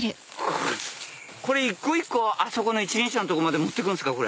これ一個一個あそこの一輪車のとこまで持ってくんですか？